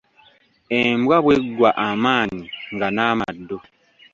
Embwa bw’eggwa amaanyi nga n’amaddu.